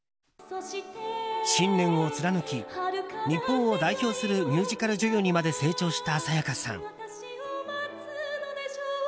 信念を貫き、日本を代表するミュージカル女優にまで成長した沙也加さん。